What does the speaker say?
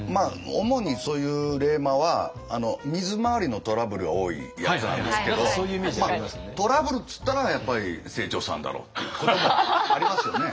主にそういう冷マは水回りのトラブルが多いやつなんですけどトラブルっていったらやっぱり清張さんだろうっていうこともありますよね。